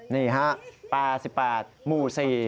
นี่ฮะปลา๑๘หมู่๔